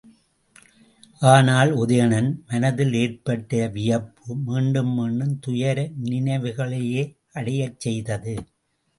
ஆனால் உதயணன் மனத்தில் ஏற்பட்ட வியப்பு மீண்டும் மீண்டும் துயர நினைவுகளையே அடையச் செய்தது.